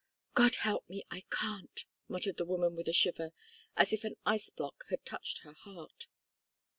"God help me! I can't," muttered the woman with a shiver, as if an ice block had touched her heart.